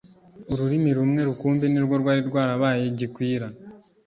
Ururimi rumwe rukumbi ni rwo rwari rwarabaye gikwira,